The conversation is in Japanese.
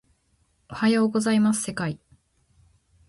おはようございます世界